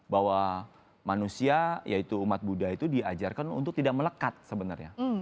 bahwa manusia yaitu umat buddha itu diajarkan untuk tidak melekat sebenarnya